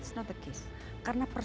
dan mengatasi perdamaian